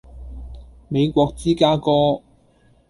美國芝加哥